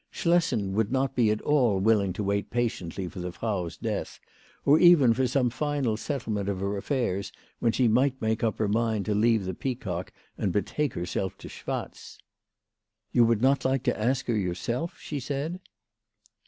Schlessen would not be at all willing to wait patiently for the Frau's death, or even for some final settlement of her affairs when she might make up her mind to leave the Peacock and betake herself to Schwatz. " You would not like to ask her yourself? " she said.